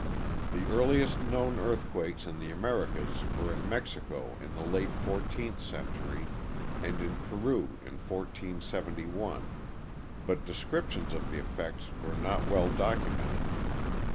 The earliest known earthquakes in the Americas were in Mexico in the late 14th century and in Peru in 1471, but descriptions of the effects were not well documented.